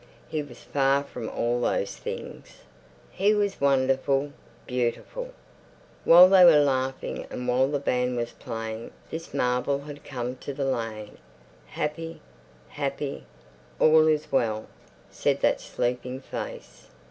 He was far from all those things. He was wonderful, beautiful. While they were laughing and while the band was playing, this marvel had come to the lane. Happy... happy.... All is well, said that sleeping face.